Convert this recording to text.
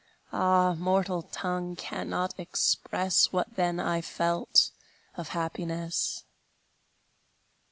Ah, mortal tongue cannot express What then I felt of happiness!